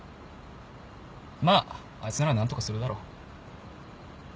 まああいつなら何とかするだろう。